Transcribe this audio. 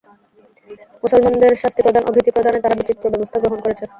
মুসলমানদের শাস্তি প্রদান ও ভীতি প্রদানে তারা বিচিত্র ব্যবস্থা গ্রহণ করেছে।